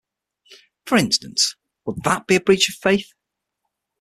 For instance, would that be a breach of faith?